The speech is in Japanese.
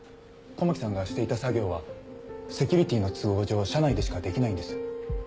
狛木さんがしていた作業はセキュリティーの都合上社内でしかできないんです。